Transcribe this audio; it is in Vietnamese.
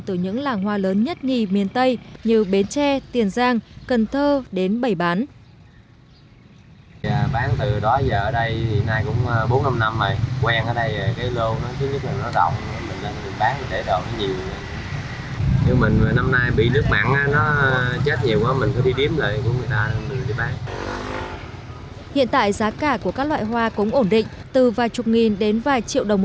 từ những làng hoa lớn nhất nhì miền tây như bến tre tiền giang cần thơ đến bày bán